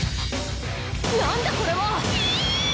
何だこれは！ヒィ‼